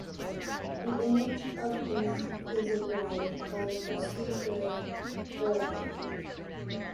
The image of the map is a variety, called a Segre variety.